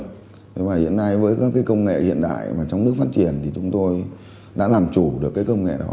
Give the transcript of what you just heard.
thế và hiện nay với các cái công nghệ hiện đại mà trong nước phát triển thì chúng tôi đã làm chủ được cái công nghệ đó